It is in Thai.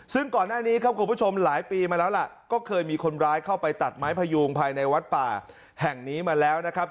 ซึ่งก่อนหน้านี้ครับคุณผู้ชมหลายปีมาแล้วล่ะก็เคยมีคนร้ายเข้าไปตัดไม้พยูงภายในวัดป่าแห่งนี้มาแล้วนะครับ